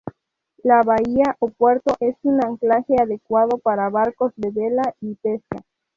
La bahía o puerto es un anclaje adecuado para barcos de vela y pesca.